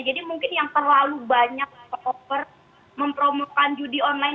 jadi mungkin yang terlalu banyak cover mempromokkan judi online